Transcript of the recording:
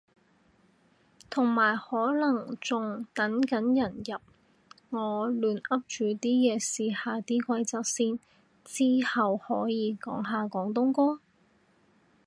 同埋可能仲等緊人入，我亂噏住啲嘢試下啲規則先。之後可以講下廣東歌？